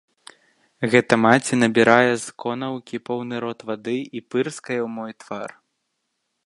Гэта маці набірае з конаўкі поўны рот вады і пырскае ў мой твар.